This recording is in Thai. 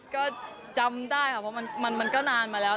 ก็จำได้ค่ะเพราะมันก็นานมาแล้ว